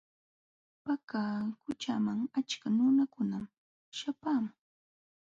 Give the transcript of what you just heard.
Paka qućhaman achka nunakunam śhapaamun.